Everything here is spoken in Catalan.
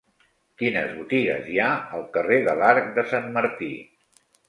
Quines botigues hi ha al carrer de l'Arc de Sant Martí?